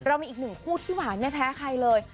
มีอีกหนึ่งคู่ที่หวานไม่แพ้ใครเลย